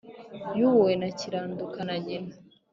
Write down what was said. yubuwe na kiranduka na nyina